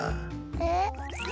えっ？